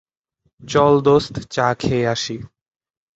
এটি Mirpur indoor stadium নামেও পরিচিত।